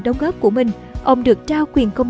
đóng góp của mình ông được trao quyền công